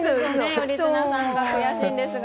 頼綱さんが悔しいんですが。